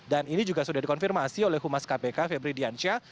dan ini juga sudah dikonfirmasi oleh humas kpk febri diansyah